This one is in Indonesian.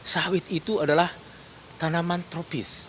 sawit itu adalah tanaman tropis